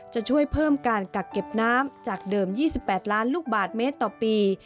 จะช่วยเพิ่มการกักเก็บน้ำจากเดิม๒๘ล้านลูกบาทเมตรต่อปี